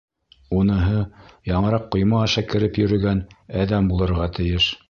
Уныһы яңыраҡ ҡойма аша кереп йөрөгән әҙәм булырға тейеш.